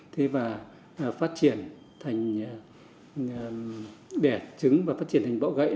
thế và phát triển thành đẻ trứng và phát triển thành bọ gãy